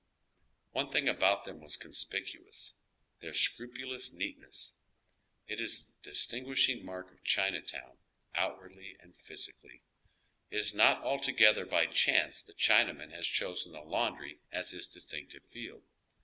One thing about them was conspicnons: their scmpu oy Google CHIKATOWN. 97 Ions neatness. It is tlie distinguishing mark of Cliina town, outwardly and physicaHy. It is not altogether by chance the Chinaman has chosen the laundry as his dis tinctive field.